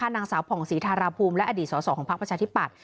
นางสาวผ่องศรีธาราภูมิและอดีตสอสอของพักประชาธิปัตย